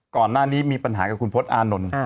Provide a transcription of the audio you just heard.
ก่อนหน้านี้มีปัญหากับคุณพจนะ